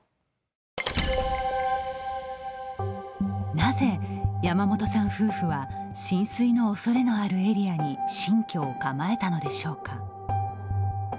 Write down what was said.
なぜ山本さん夫婦は浸水のおそれのあるエリアに新居を構えたのでしょうか。